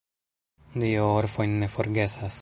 Dio orfojn ne forgesas.